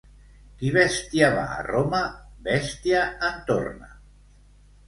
Qui bèstia va a Roma, bèstia en torna.